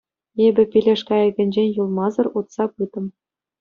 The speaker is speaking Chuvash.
Эпӗ пилеш кайӑкӗнчен юлмасӑр утса пытӑм.